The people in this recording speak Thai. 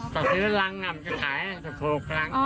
จะซื้อรังหลังจะขายถูกรั้งอ๋อ